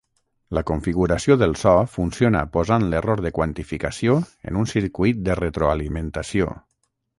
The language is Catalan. La configuració del so funciona posant l'error de quantificació en un circuit de retroalimentació.